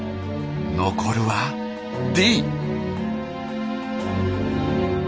残るはＤ。